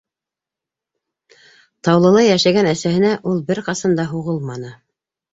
Таулыла йәшәгән әсәһенә ул бер ҡасан да һуғылманы.